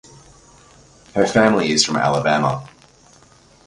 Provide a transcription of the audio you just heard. Her family is from Alabama.